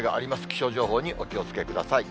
気象情報にお気をつけください。